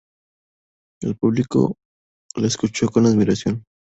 El público la escuchó con admiración.